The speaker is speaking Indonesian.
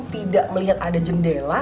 tidak melihat ada jendela